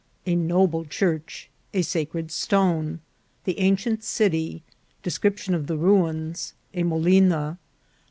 — A noble Church.— A sa cred Stone. — The ancient City. — Description of the Ruins. — A Molina.